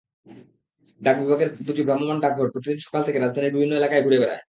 ডাক বিভাগের দুটি ভ্রাম্যমাণ ডাকঘর প্রতিদিন সকাল থেকে রাজধানীর বিভিন্ন এলাকায় ঘুরে বেড়ায়।